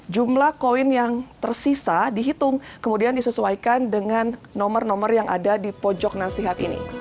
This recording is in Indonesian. jumlah koin yang tersisa dihitung kemudian disesuaikan dengan nomor nomor yang ada di pojok nasihat ini